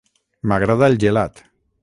M'agrada el gelat.